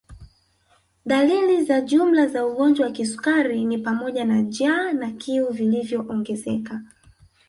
Dalili za jumla za ugonjwa wa kisukari ni pamoja na jaa na kiu viliyoongezeka